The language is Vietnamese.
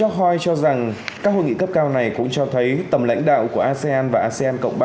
nước hoi cho rằng các hội nghị cấp cao này cũng cho thấy tầm lãnh đạo của asean và asean cộng ba